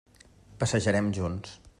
Passejarem junts.